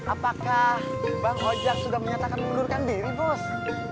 apakah bang ojak sudah menyatakan ngundurkan diri bos